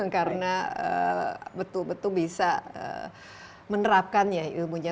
karena betul betul bisa menerapkannya ilmunya